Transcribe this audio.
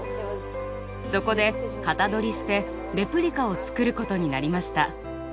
そこで型取りしてレプリカを作ることになりました。